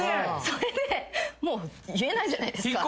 それでもう言えないじゃないですか。